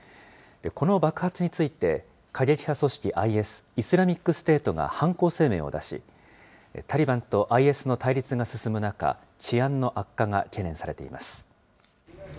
この爆発について、過激派組織ＩＳ・イスラミックステートが犯行声明を出し、タリバンとＩＳの対立が進む中、治安の悪化が懸念されています。